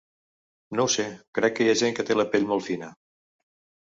No ho sé, crec que hi ha gent que té la pell molt fina.